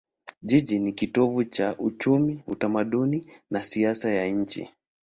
Jiji ni kitovu cha uchumi, utamaduni na siasa ya nchi.